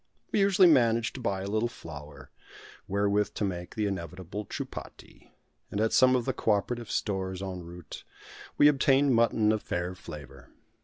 We usually managed to buy a little flour, wherewith to make the inevitable chupati, and at some of the co operative stores en route, we obtained mutton of fair flavour.